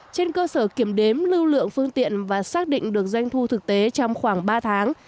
trên cơ sở kiểm đếm lưu lượng phương tiện và xác định được doanh thu thực tế trong khoảng ba tháng